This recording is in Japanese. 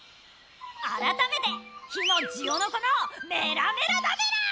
あらためて火のジオノコのメラメラだメラ！